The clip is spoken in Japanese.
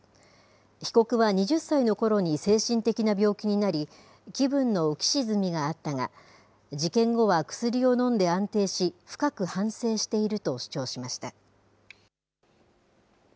被告は２０歳のころに精神的な病気になり、気分の浮き沈みがあったが、事件後は薬を飲んで安定し、深く反省していると主張しました。